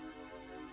aku sudah berjalan